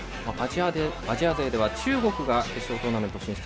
アジア勢では中国が決勝トーナメント進出